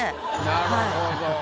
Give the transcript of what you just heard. なるほど。